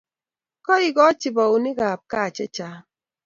kaikochi boinikab gaa chechang'